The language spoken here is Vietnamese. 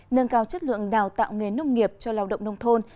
nâng cao chất lượng đào tạo nghề nông nghiệp cho lao động nông thôn